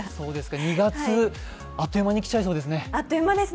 ２月、あっという間に来ちゃいそうですね。